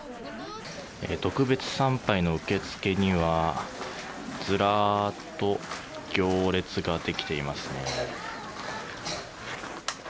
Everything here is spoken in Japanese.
特別参拝の受付にはずらーっと行列ができています。